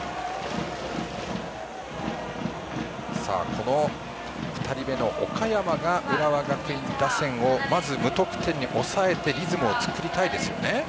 この２人目の岡山が浦和学院打線をまず無得点に抑えてリズムを作りたいですね。